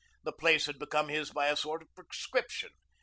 The place had become his by a sort of prescription.